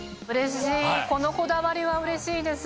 このこだわりはうれしいです。